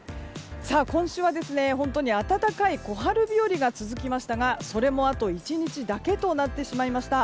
今週は、本当に暖かい小春日和が続きましたがそれも、あと１日だけとなってしまいました。